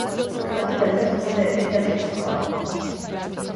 Tato verze obsahuje pět dalších skladeb.